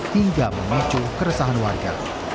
hingga memicu keresahan warga